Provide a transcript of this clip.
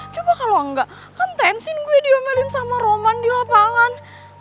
coba kalau enggak kan tensin gue diomelin sama roman di lapangan